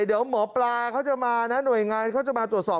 เดี๋ยวหมอปลาเขาจะมานะหน่วยงานเขาจะมาตรวจสอบ